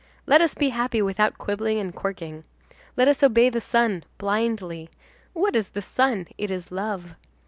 Let us be happy without quibbling and quirking. Let us obey the sun blindly. What is the sun? It is love.